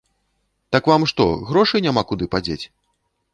Так вам што, грошы няма куды падзець?